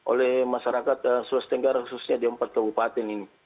oleh masyarakat sulawesi tenggara khususnya di empat kabupaten ini